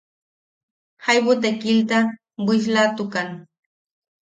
Jaibu tekilta bwislatukan.